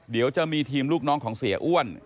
เดี๋ยวจะมีทีมลูกน้องของเสียอ้วน